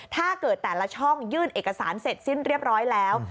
ถ้าเกิดแต่ละช่องยื่นเอกสารเสร็จสิ้นเรียบร้อยแล้ว